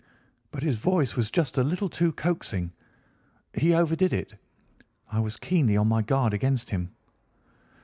"But his voice was just a little too coaxing. He overdid it. I was keenly on my guard against him.